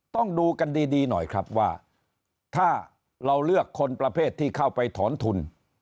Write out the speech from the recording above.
ต้องดูกันดีหน่อยครับว่าถ้าเราเลือกคนประเภทที่เข้าไปถอนทุน